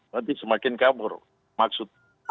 nanti semakin kabur maksud